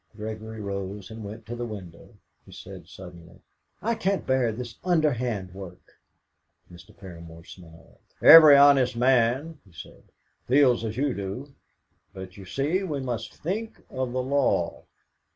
Gregory rose and went to the window. He said suddenly: "I can't bear this underhand work." Mr. Paramor smiled. "Every honest man," he said, "feels as you do. But, you see, we must think of the law."